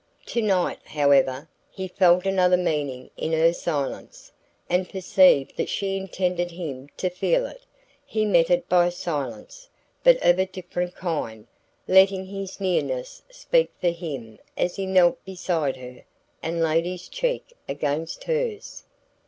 To night, however, he felt another meaning in her silence, and perceived that she intended him to feel it. He met it by silence, but of a different kind; letting his nearness speak for him as he knelt beside her and laid his cheek against hers.